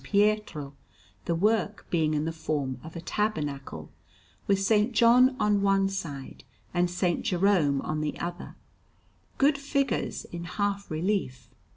Pietro, the work being in the form of a tabernacle, with S. John on one side and S. Jerome on the other good figures in half relief.